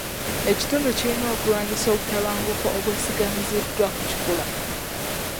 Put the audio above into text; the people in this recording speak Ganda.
Ekitundu kirina okulwanyisa obutabanguko obwesigamiziddwa ku kikula.